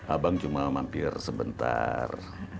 abang cuma mampir sebentar